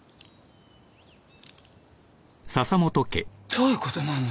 どういうことなの？